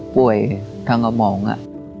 ป่วยทางกระหมองอะ